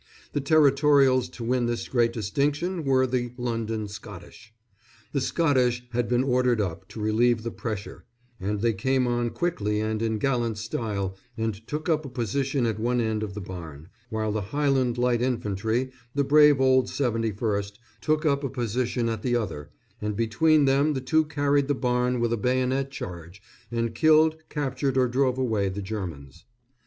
The Territorials to win this great distinction were the London Scottish. The Scottish had been ordered up to relieve the pressure, and they came on quickly and in gallant style and took up a position at one end of the barn, while the Highland Light Infantry, the brave old 71st, took up a position at the other, and between them the two carried the barn with a bayonet charge and killed, captured or drove away the Germans.